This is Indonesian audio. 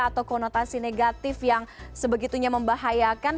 atau konotasi negatif yang sebegitunya membahayakan